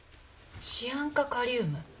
「シアン化カリウム」